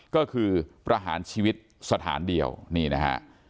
ก็คือประหารชีวิตสถานเดียวนี่นะฮะ